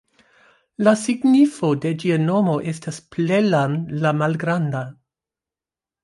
La signifo de ĝia nomo estas "Plelan"-la-malgranda.